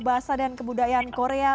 bahasa dan kebudayaan korea